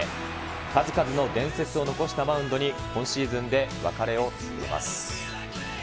数々の伝説を残したマウンドに、今シーズンで別れを告げます。